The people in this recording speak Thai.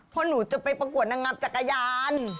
เพราะหนูจะไปประกวดนางงามจักรยาน